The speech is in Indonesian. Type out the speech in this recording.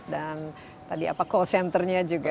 dan tadi apa call centernya juga